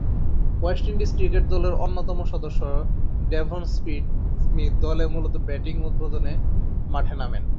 West Indies cricket দলের অন্যতম সদস্য ডেভন স্মিথ দলে মূলতঃ ব্যাটিং উদ্বোধনে মাঠে নামেন।